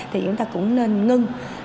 thì chúng ta cũng nên ngưng